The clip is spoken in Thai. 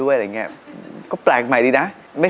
เพราะว่าเพราะว่าเพราะ